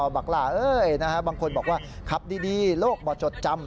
บักล่าบางคนบอกว่าขับดีโลกบ่อจดจำ